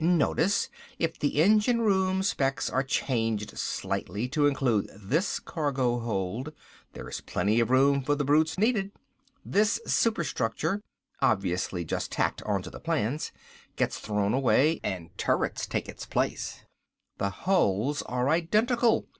"Notice if the engine room specs are changed slightly to include this cargo hold, there is plenty of room for the brutes needed. This superstructure obviously just tacked onto the plans gets thrown away, and turrets take its place. The hulls are identical.